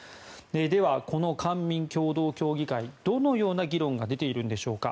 では、この官民共同協議会どのような議論が出ているんでしょうか。